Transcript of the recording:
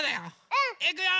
うん！いくよ！